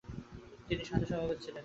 তিনি শান্ত স্বভাবের ছিলেন।